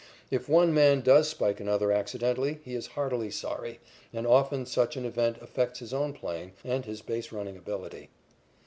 If one man does spike another accidentally, he is heartily sorry, and often such an event affects his own playing and his base running ability.